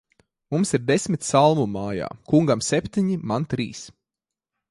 Mums ir desmit salmu mājā; kungam septiņi, man trīs.